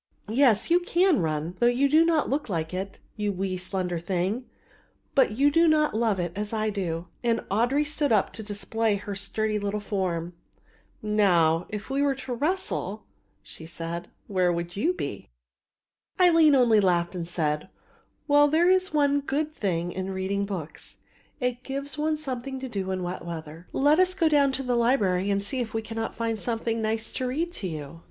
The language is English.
"Yes, you can run, though you do not look like it, you wee slender thing, but you do not love it as I do;" and Audry stood up to display her sturdy little form. "Now if we were to wrestle," she said, "where would you be?" Aline only laughed and said: "Well, there is one good thing in reading books, it gives one something to do in wet weather. Let us go down to the library and see if I cannot find something nice to read to you."